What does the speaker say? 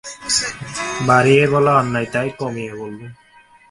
বাড়িয়ে বলা অন্যায়, তাই কমিয়ে বললুম।